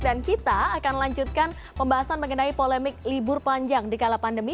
dan kita akan lanjutkan pembahasan mengenai polemik libur panjang di kala pandemi